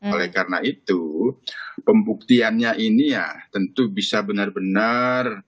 oleh karena itu pembuktiannya ini ya tentu bisa benar benar